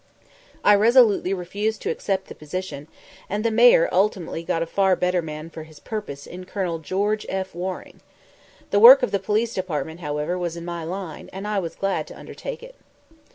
I resolutely refused to accept the position, and the Mayor ultimately got a far better man for his purpose in Colonel George F. Waring. The work of the Police Department, however, was in my line, and I was glad to undertake it.